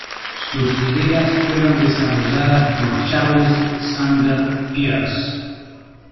Sus ideas fueron desarrolladas por Charles Sanders Peirce.